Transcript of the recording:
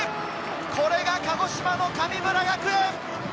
これが鹿児島の神村学園。